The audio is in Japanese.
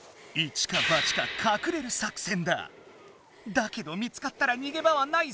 だけど見つかったら逃げ場はないぞ！